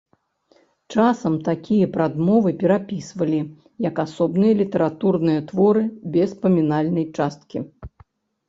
Часам такія прадмовы перапісвалі як асобныя літаратурныя творы без памінальнай часткі.